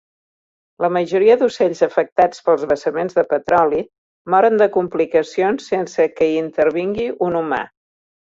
La majoria d'ocells afectats pels vessaments de petroli moren de complicacions sense que hi intervingui un humà.